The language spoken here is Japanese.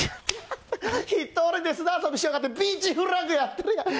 １人で砂遊びしやがってビーチフラッグやってるよ。